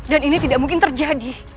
dan ini tidak mungkin terjadi